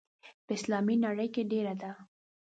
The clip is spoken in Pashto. په اسلامي نړۍ کې ډېره ده.